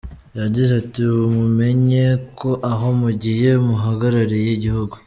Yagize ati “Mumenye ko aho mugiye muhagarariye igihugu.